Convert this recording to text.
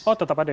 oh tetap ada ya